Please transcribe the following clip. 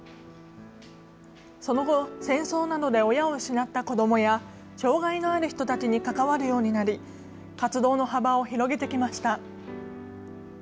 その後、戦争などで親を失った子どもや、障害のある人たちに関わるようになり、活動の幅を広げてきました。